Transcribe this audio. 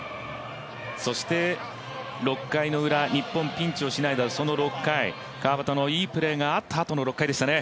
そして、６回のウラ日本、ピンチをしのいだその６回、川畑のいいプレーがあったあとの６回でしたね。